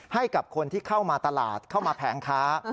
ให้กับคนที่เข้ามาตลาดเข้ามาแผงค้า